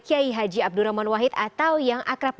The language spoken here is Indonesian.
kiai haji abdurrahman wahid atau yang akrab di sapa